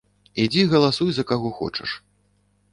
Ідзі галасуй за каго хочаш.